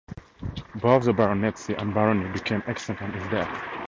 Both the baronetcy and barony became extinct on his death.